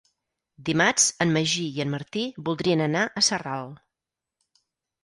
Dimarts en Magí i en Martí voldrien anar a Sarral.